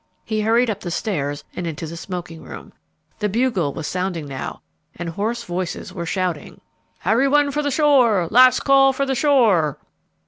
He hurried up the stairs and into the smoking room. The bugle was sounding now, and hoarse voices were shouting: "Every one for the shore! Last call for the shore!"